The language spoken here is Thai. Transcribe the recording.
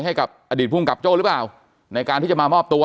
ให้กับอดีตภูมิกับโจ้หรือเปล่าในการที่จะมามอบตัว